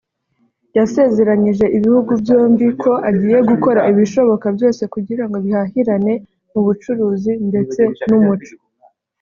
yasezeranyije ibihugu byombi ko agiye gukora ibishoboka byose kugira ngo bihahirane mu bucuruzi ndetse n’umuco